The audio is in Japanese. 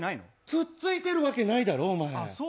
くっついてるわけないだろ。